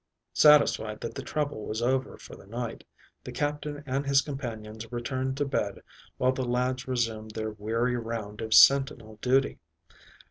Satisfied that the trouble was over for the night, the Captain and his companions returned to bed while the lads resumed their weary round of sentinel duty.